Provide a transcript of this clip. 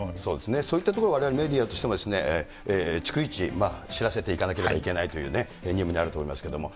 そういったところ、われわれメディアとしても逐一知らせていかなければいけないという任務にあると思いますけれども。